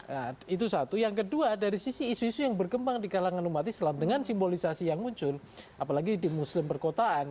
nah itu satu yang kedua dari sisi isu isu yang berkembang di kalangan umat islam dengan simbolisasi yang muncul apalagi di muslim perkotaan